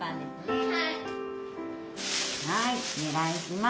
はいお願いします。